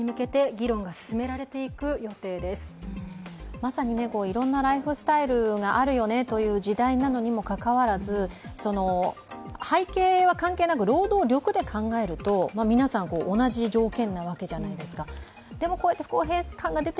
まさに、いろんなライフスタイルがあるよねという時代にもかかわらず背景は関係なく労働力で考えると今日行われた、こども家庭庁の会見。